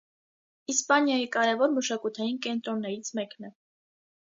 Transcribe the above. Իսպանիայի կարևոր մշակութային կենտրոններից մեկն է։